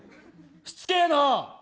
しつけえな。